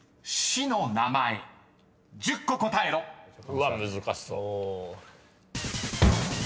うわっ難しそう。